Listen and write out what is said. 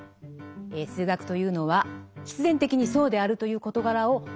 数学というのは「必然的にそうであるという事柄を探究する」